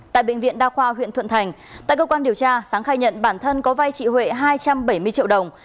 tại bệnh viện đa khoa huyện thuận thành tại cơ quan điều tra sáng khai nhận bản thân có vay chị huệ hai trăm bảy mươi triệu đồng